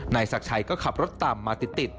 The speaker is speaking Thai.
นายศักรรมชายก็ขับรถตามมาติด